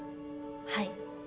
はい。